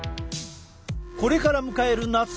これから迎える夏本番。